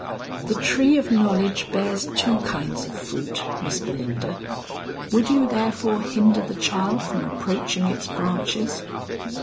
The tree of knowledge bears two kinds of fruit, Miss Belinda; would you therefore hinder the child from approaching its branches?"